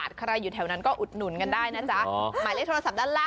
ใช่เวลาร้อนน้อนอ่ะ